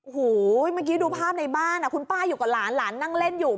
โอ้โหเมื่อกี้ดูภาพในบ้านคุณป้าอยู่กับหลานหลานนั่งเล่นอยู่